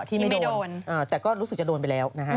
ที่ไม่โดนแต่ก็รู้สึกจะโดนไปแล้วนะฮะ